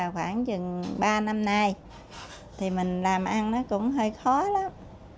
khoảng chừng ba năm nay thì mình làm ăn nó cũng hơi khó lắm